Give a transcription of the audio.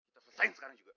selesain sekarang juga